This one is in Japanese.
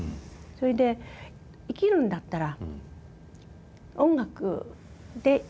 それで生きるんだったら音楽で生きたい」って。